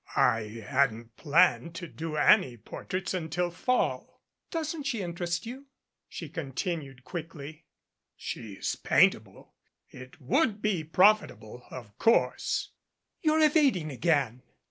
"I hadn't planned to do any portraits until Fall." "Doesn't she interest you?" she continued quickly. "She's paintable it would be profitable, of course " "You're evading again."